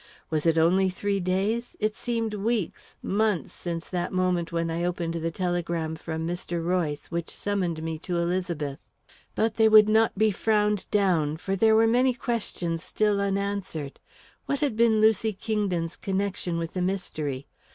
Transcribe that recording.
Was it only three days? It seemed weeks, months, since that moment when I opened the telegram from Mr. Royce which summoned me to Elizabeth. But they would not be frowned down, for there were many questions still unanswered. What had been Lucy Kingdon's connection with the mystery?